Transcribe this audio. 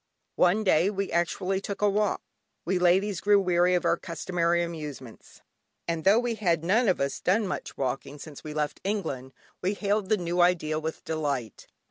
One day we actually took a walk. We ladies grew weary of our customary amusements, and though we had none of us done much walking since we left England, we hailed the new idea with delight.